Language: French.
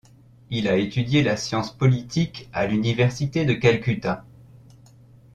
Il a étudié la science politique à l'Université de Calcutta.